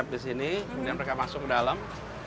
di tap di sini kemudian mereka masuk ke dalam